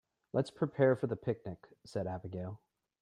"Let's prepare for the picnic!", said Abigail.